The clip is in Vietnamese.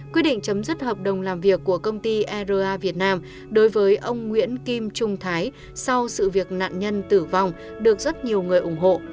quyết định chấm dứt hợp đồng làm việc của công ty roa việt nam đối với ông nguyễn kim trung thái sau sự việc nạn nhân tử vong được rất nhiều người ủng hộ